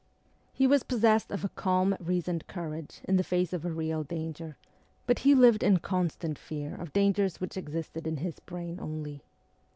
He was possessed of a calm, reasoned courage in the face of a real danger, but he lived in constant fear of dangers which existed in his brain only.